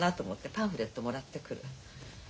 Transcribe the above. パンフレットもらってくる。